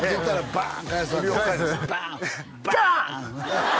バーン！